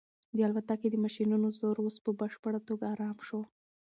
د الوتکې د ماشینونو زور اوس په بشپړه توګه ارام شو.